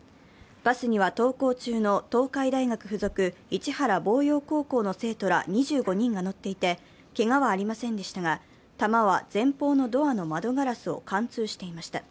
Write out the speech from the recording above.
バスには登校中の東海大学付属市原望洋高校の生徒ら２５人が乗っていてけがはありませんでしたが弾は前方のドアの窓ガラスを貫通していました。